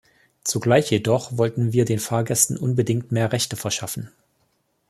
Zugleich jedoch wollten wir den Fahrgästen unbedingt mehr Rechte verschaffen.